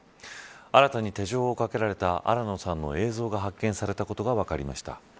新たに手錠をかけられた新野さんの映像が発見されたことが分かりました。